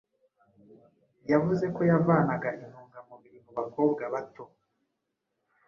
yavuze ko yavanaga 'intungamubiri' mu bakobwa bato